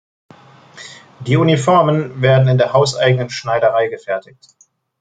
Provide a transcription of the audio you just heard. Die Uniformen werden in der hauseigenen Schneiderei gefertigt.